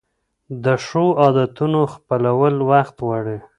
د ښو عادتونو خپلول وخت غواړي.